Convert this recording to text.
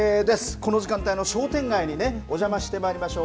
この時間帯の商店街にお邪魔してまいりましょう。